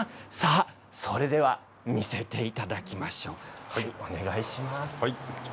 それでは見せていただきましょうはい。